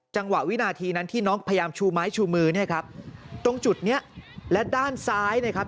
วินาทีนั้นที่น้องพยายามชูไม้ชูมือเนี่ยครับตรงจุดเนี้ยและด้านซ้ายนะครับ